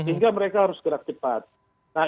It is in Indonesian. sehingga mereka harus gerak cepat nah